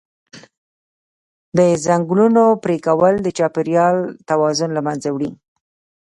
د ځنګلونو پرېکول د چاپېریال توازن له منځه وړي.